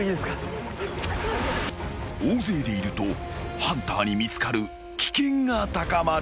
［大勢でいるとハンターに見つかる危険が高まる］